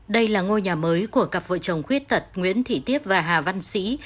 đây là ngôi nhà mới của cặp vợ chồng khuyết tật nguyễn thị tiếp và hà văn sĩ